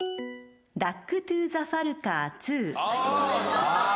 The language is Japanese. ダックトゥザファルカー２。